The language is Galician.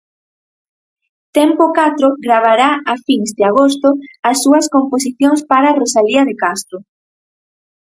"Tempo Catro gravará a fins de agosto as súas composicións para "Rosalía de Castro.